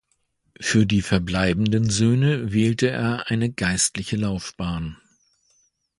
Für die verbleibenden Söhne wählte er eine geistliche Laufbahn.